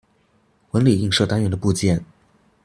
纹理映射单元的部件。